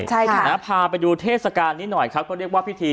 ใช่ค่ะนะพาไปดูเทศกาลนี้หน่อยครับก็เรียกว่าพิธี